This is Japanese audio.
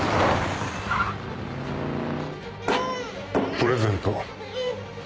プレゼント。